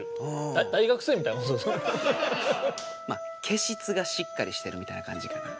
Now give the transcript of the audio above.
毛質がしっかりしてるみたいな感じかな。